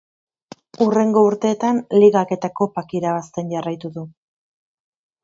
Hurrengo urteetan Ligak eta Kopak irabazten jarraitu du.